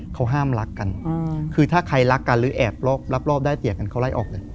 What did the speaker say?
เขาห้ามรักกันคือถ้าใครรักกันหรือแอบรอบได้เตียกันเขาไล่ออกเลย